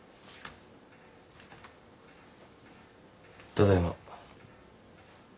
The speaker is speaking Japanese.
・ただいま。